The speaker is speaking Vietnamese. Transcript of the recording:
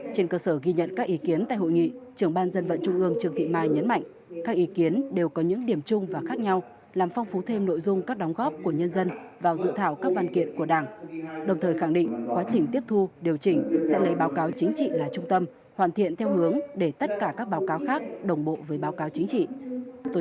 trên cơ sở ghi nhận các ý kiến tại hội nghị trưởng ban dân vận trung ương trường thị mai nhấn mạnh các ý kiến đều có những điểm chung và khác nhau làm phong phú thêm nội dung các đóng góp của nhân dân vào sự thảo các văn kiện của đảng đồng thời khẳng định quá trình tiếp thu điều chỉnh sẽ lấy báo cáo chính trị là trung tâm hoàn thiện theo hướng để tất cả các báo cáo khác đồng bộ với báo cáo chính trị